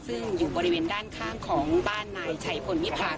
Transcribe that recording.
ซึ่งอยู่บริเวณด้านข้างของบ้านนายชัยพลวิพาก